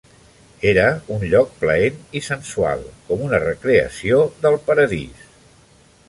Era un lloc plaent i sensual, com una recreació del paradís.